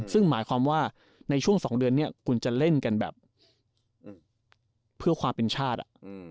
ซึ่งหมายความว่าในช่วง๒เดือนเนี่ยคุณจะเล่นกันแบบเพื่อความเป็นชาติ